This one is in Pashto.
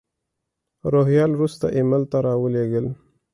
روهیال وروسته ایمیل ته را ولېږل.